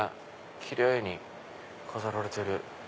キレイに飾られてる。